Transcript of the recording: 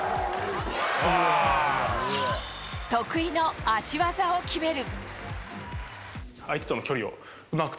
得意の足技を決める。